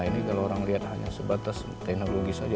ini kalau orang lihat hanya sebatas teknologi saja